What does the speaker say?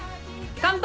乾杯！